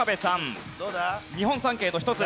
日本三景の一つ。